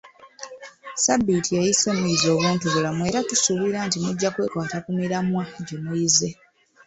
Sabbiiti eyise muyize obuntubulamu era tusuubira nti mujja kwekwata ku miramwa gye muyize.